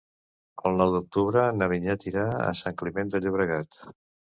El nou d'octubre na Vinyet irà a Sant Climent de Llobregat.